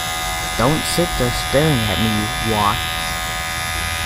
Don't sit there staring at me, Watts.